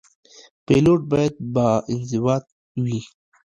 پیلوټ باید باانضباط وي.